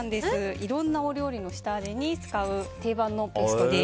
いろんなお料理の下味に使う定番のペーストです。